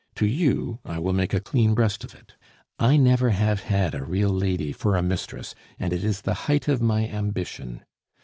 To you I will make a clean breast of it. I never have had a real lady for a mistress, and it is the height of my ambition.